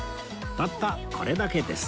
たったこれだけです